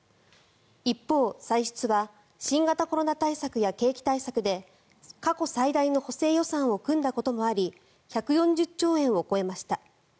一方、歳出は新型コロナ対策や景気対策で過去最大の補正予算を組んだこともあり１４０兆円を超えました。